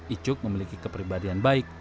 icuk memiliki kepribadian baik